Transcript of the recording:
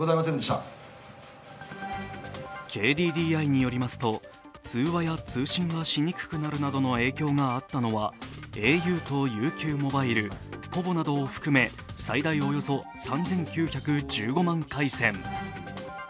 ＫＤＤＩによりますと、通話や通信がしにくくなるなどの影響があったのは、ａｕとＵＱｍｏｂｉｌｅ、ｐｏｖｏなどを含め最大およそ３９１６万回線。